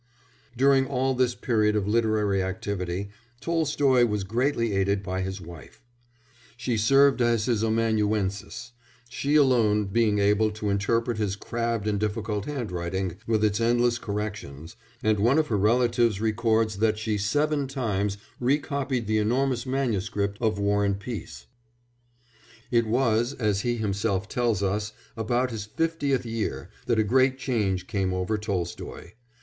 During all this period of literary activity Tolstoy was greatly aided by his wife; she served as his amanuensis, she alone being able to interpret his crabbed and difficult handwriting with its endless corrections, and one of her relatives records that she seven times re copied the enormous MS. of War and Peace. It was, as he himself tells us, about his fiftieth year that a great change came over Tolstoy.